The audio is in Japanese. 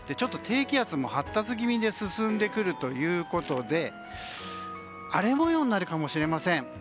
低気圧も発達気味で進んでくるということで荒れ模様になるかもしれません。